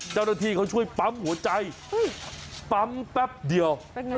เจ้าหน้าที่เขาช่วยปั๊มหัวใจปั๊มแป๊บเดียว